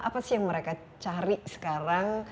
apa sih yang mereka cari sekarang